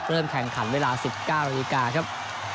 เริ่มแข่งขันเวลา๑๙นาฬิกาครับ